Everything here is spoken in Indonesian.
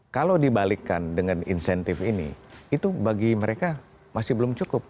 kalau dibalikkan dengan insentif ini itu bagi mereka masih belum cukup